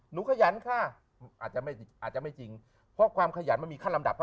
ขยันค่ะอาจจะไม่อาจจะไม่จริงเพราะความขยันมันมีขั้นลำดับ